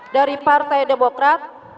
dari partai demokrat